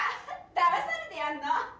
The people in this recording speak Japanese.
だまされてやんの。